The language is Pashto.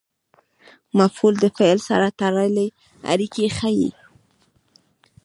مفعول د فعل سره تړلې اړیکه ښيي.